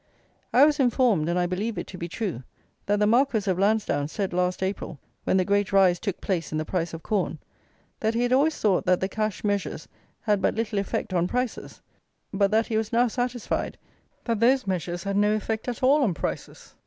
I was informed, and I believe it to be true, that the Marquis of Lansdowne said, last April, when the great rise took place in the price of corn, that he had always thought that the cash measures had but little effect on prices; but that he was now satisfied that those measures had no effect at all on prices!